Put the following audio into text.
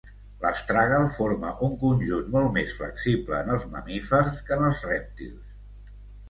L'astràgal forma un conjunt molt més flexible en els mamífers que en els rèptils.